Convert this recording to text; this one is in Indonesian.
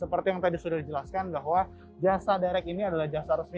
seperti yang tadi sudah dijelaskan bahwa jasa direct ini adalah jasa resmi